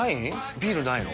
ビールないの？